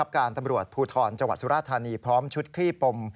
การตำรวจภูทรจังหวัดสุราธานีพร้อมชุดคลี่ปม